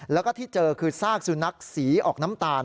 แล้วก็ที่เจอคือซากสุนัขสีออกน้ำตาล